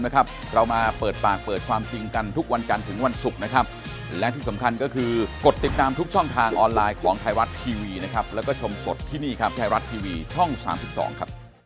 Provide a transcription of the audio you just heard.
คดีอายานมันก็ต้องเดินไปของมันอีก